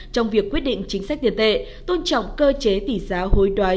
trong việc quyết định chính sách tiền tệ tôn trọng cơ chế tỷ giá hối đoái